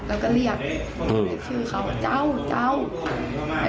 เราก็เรียกชื่อเขาเจ้า